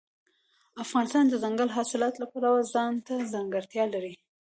افغانستان د دځنګل حاصلات د پلوه ځانته ځانګړتیا لري.